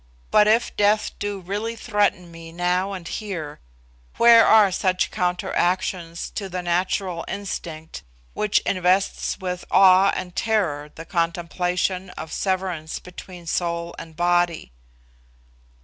But if death do really threaten me now and here, where are such counteractions to the natural instinct which invests with awe and terror the contemplation of severance between soul and body?"